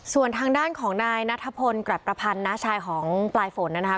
ส่วนทางด้านของนายนัทพลกรับประพันธ์น้าชายของปลายฝนนะครับ